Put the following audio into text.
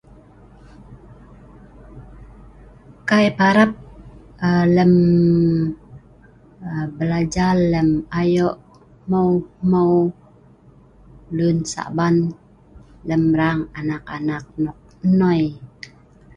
Kai parap um lem um belajal lem ayo hmeu-hmeu luen sa’ban lem raang anak-anak nok nnoi